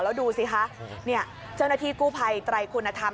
แล้วดูสิคะเจ้าหน้าที่กู้ภัยไตรคุณธรรม